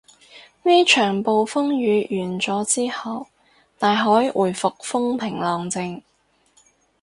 呢場暴風雨完咗之後，大海回復風平浪靜